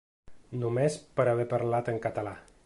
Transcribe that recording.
Només per haver parlat en català.